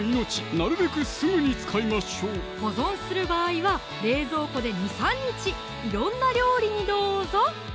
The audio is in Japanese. なるべくすぐに使いましょう保存する場合は冷蔵庫で２３日色んな料理にどうぞ！